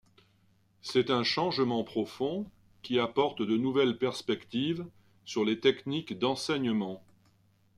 C'est un changement profond qui apporte de nouvelles perspectives sur les techniques d'enseignement.